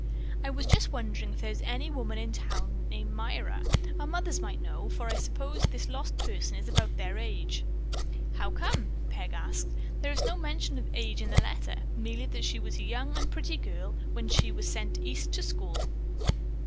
"I was just wondering if there is any woman in town named Myra. Our mothers might know, for I suppose this lost person is about their age." "How come?" Peg asked. "There is no mention of age in the letter. Merely that she was a young and pretty girl when she was sent East to school."